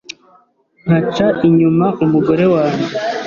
nkaca inyuma umugore wanjye